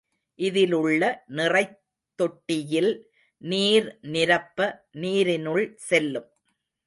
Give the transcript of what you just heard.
இதிலுள்ள நிறைத் தொட்டியில் நீர் நிரப்ப, நீரினுள் செல்லும்.